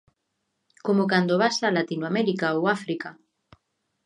Como cando vas a Latinoamérica ou África...